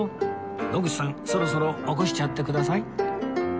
野口さんそろそろ起こしちゃってください